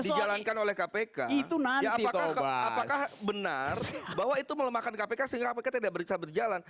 dijalankan oleh kpk itu nanti tobas benar bahwa itu melemahkan kpk sehingga ptb bisa berjalan